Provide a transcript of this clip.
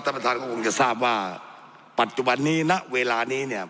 ประธานก็คงจะทราบว่าปัจจุบันนี้ณเวลานี้เนี่ย